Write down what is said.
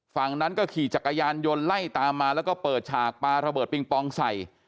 ฝั่งนั้นก็ขี่จักรยานยนต์ไล่ตามมาแล้วก็เปิดฉากปลาระเบิดปิงปองใส่